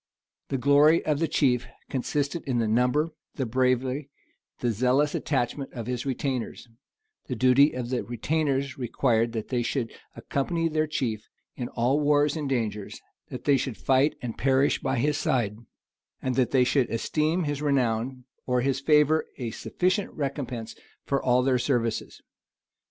The glory of the chief consisted in the number, the bravery, and the zealous attachment of his retainers; the duty of the retainers required that they should accompany their chief in all wars and dangers, that they should fight and perish by his side, and that they should esteem his renown or his favor a sufficient recompense for all their services.